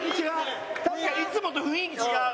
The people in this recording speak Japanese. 確かにいつもと雰囲気違う。